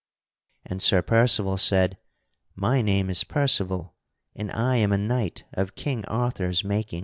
And Sir Percival said: "My name is Percival, and I am a knight of King Arthur's making."